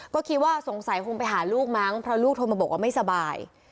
ก็คิดว่าสงสัยคงไปหาลูกมั้งเพราะลูกโทรมาบอกว่าไม่สบาย